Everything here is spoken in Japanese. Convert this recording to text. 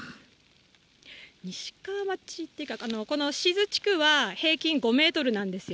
西川町っていうか、この志津地区は、平均５メートルなんですよ。